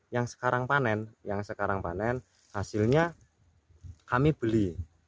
yang sekarang panen hasilnya kami beli